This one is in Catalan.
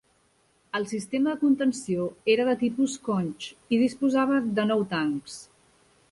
El sistema de contenció era de tipus "Conch" i disposava de nou tancs.